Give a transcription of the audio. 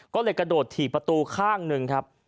ก็เลยกระโดดถี่ประตูข้างหนึ่งครับ